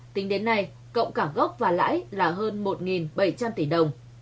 tính đến nay cộng cả gốc và lãi là hơn một bảy trăm linh tỷ đồng